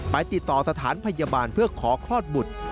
ไปติดต่อสถานพยาบาลเพื่อขอคลอดบุตร